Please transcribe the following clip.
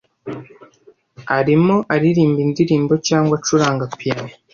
Arimo aririmba indirimbo cyangwa acuranga piyano?